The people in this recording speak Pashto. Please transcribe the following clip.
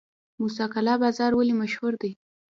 موسی قلعه بازار ولې مشهور دی؟